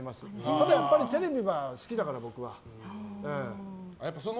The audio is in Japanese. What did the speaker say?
ただやっぱりテレビは好きだから僕は。